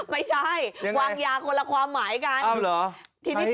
ไม่ใช่วางยาคนละความหมายกัน